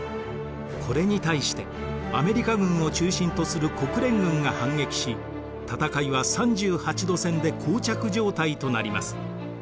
これに対してアメリカ軍を中心とする国連軍が反撃し戦いは３８度線でこう着状態となります。